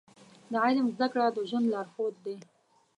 د علم زده کړه د ژوند لارښود دی.